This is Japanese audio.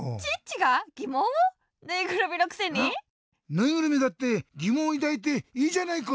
ぬいぐるみだってぎもんをいだいていいじゃないか！